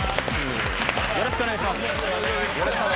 よろしくお願いします。